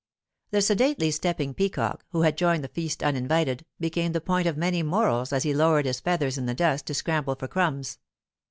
The sedately stepping peacock, who had joined the feast uninvited, became the point of many morals as he lowered his feathers in the dust to scramble for crumbs.